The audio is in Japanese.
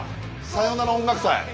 「さよなら音楽祭」。